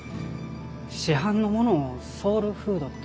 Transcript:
市販のものをソウルフードって言うあたり。